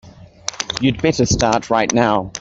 You'd better start right now.